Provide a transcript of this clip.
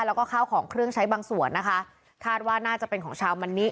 แล้วก็ข้าวของเครื่องใช้บางส่วนนะคะคาดว่าน่าจะเป็นของชาวมันนิ